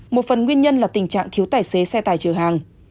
một phần nguyên nhân là tình trạng thiếu tài xế xe tải chở hàng